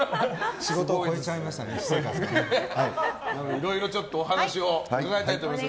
いろいろちょっとお話を伺いたいと思います。